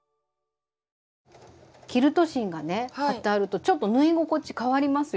キルト芯がね貼ってあるとちょっと縫い心地かわりますよね。